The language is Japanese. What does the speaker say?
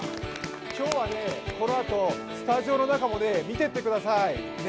今日はこのあとスタジオの中も見てってください。